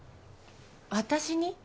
私に？